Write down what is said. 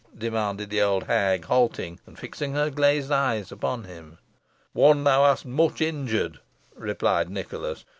demanded the old hag, halting, and fixing her glazed eyes upon him. "One thou hast much injured," replied Nicholas.